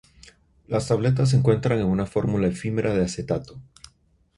Las tabletas se encuentran en una fórmula efímera de acetato.